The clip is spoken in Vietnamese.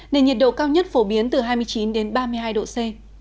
nền nhiệt độ cao nhất phổ biến từ hai mươi chín đến ba mươi hai độ c